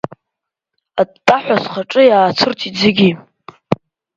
Аттаҳәа схаҿы иаацәырҵит зегьы.